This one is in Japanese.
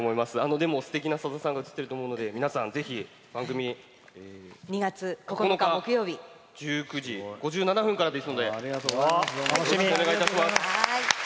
でも、すてきな、さださんが映ってると思うので皆さん、ぜひ２月９日木曜日１９時５７分からですので楽しみにお願いいたします。